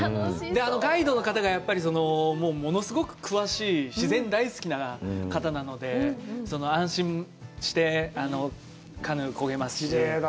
あのガイドの方がやっぱり物すごく詳しい、自然大好きな方なので、安心してカヌーをこげますし。